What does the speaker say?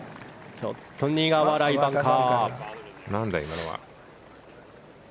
ちょっと苦笑いバンカー。